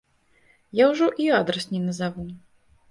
Я ўжо і адрас не назаву.